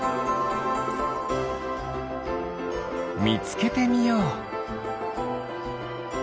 みつけてみよう。